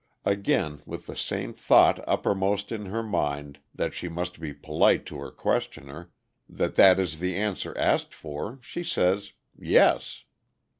Again with the same thought uppermost in her mind, that she must be polite to her questioner, that that is the answer asked for, she says, "Yes!"